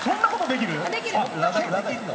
できるの？